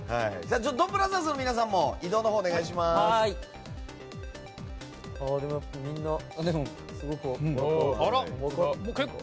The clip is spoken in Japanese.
ドンブラザーズの皆さんも移動のほう、お願いします。